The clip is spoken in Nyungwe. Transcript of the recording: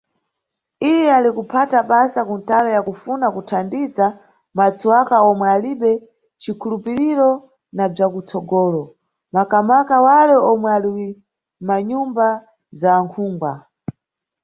Iye ali kuphata basa ku ntalo ya kufuna kuthandiza matswaka omwe alibe cikhulupiriro na bzwa kutsogolo, makamaka wale omwe ali mʼmanyumba za akhungwa.